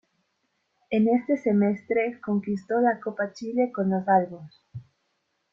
En este semestre conquistó la Copa Chile con los albos.